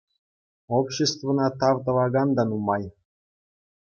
Обществӑна тав тӑвакан та нумай.